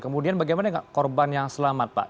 kemudian bagaimana dengan korban yang selamat pak